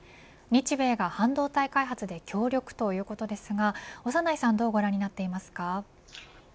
日米が半導体開発で協力ということですが長内さんどうご覧になっていますか。